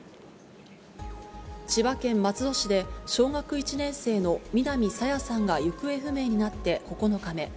千葉県松戸市で、小学１年生の南朝芽さんが行方不明になって９日目。